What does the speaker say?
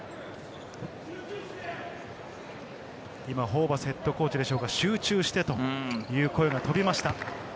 ホーバスＨＣでしょうか、「集中して」という声が飛びました。